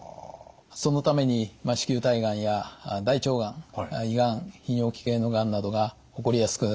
そのために子宮体がんや大腸がん胃がん泌尿器系のがんなどが起こりやすくなります。